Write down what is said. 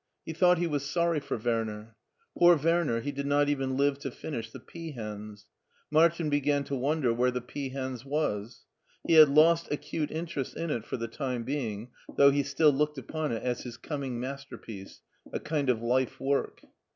He thought he was sorry for Werner. Poor Werner, he did not even live to finish " the Peahens." Martin began to wonder where the Peahens " was. He had lost acute interest in it for the time being, though he still looked t^n it as his coming masterpiece, a kind of life work.